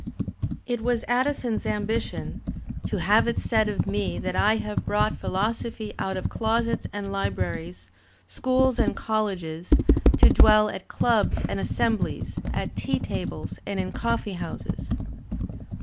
It was Addison's ambition "to have it said of me that I have brought philosophy out of closets and libraries, schools and colleges, to dwell at clubs and assemblies, at tea tables and in coflfee houses."